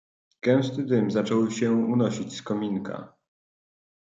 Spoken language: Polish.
"Gęsty dym zaczął się unosić z kominka."